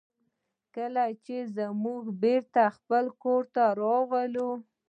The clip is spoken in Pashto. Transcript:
کله چې موږ بېرته خپل کور ته راغلو.